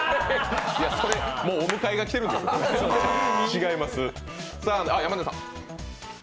それ、もうお迎えが来てるんじゃないですか？